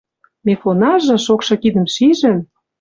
Мефонажы, шокшы кидӹм шижӹн